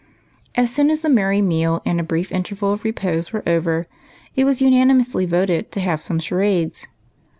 155 As soon as the merry meal and a brief interval of repose were over, it was unanimously voted to have some charades.